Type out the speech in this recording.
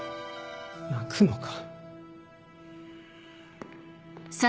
泣くのか？